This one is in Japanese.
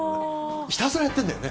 ひたすらやってるんだよね。